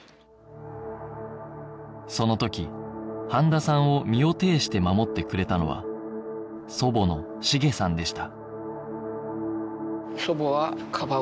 その時飯田さんを身をていして守ってくれたのは祖母のしげさんでした